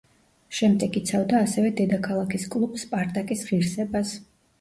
შემდეგ იცავდა ასევე დედაქალაქის კლუბ „სპარტაკის“ ღირსებას.